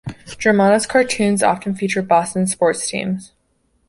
Germano's cartoons often feature Boston's sports teams.